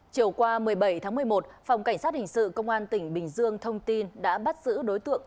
chiều qua một mươi bảy tháng một mươi một phòng cảnh sát hình sự công an tỉnh bình dương thông tin đã bắt giữ đối tượng